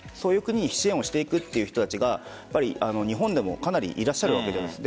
支援をしていくという人たちが日本でもかなりいらっしゃるわけです。